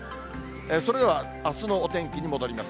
それでは、あすのお天気に戻ります。